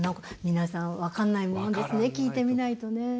皆さん分かんないもんですね聞いてみないとね。